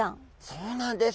そうなんです。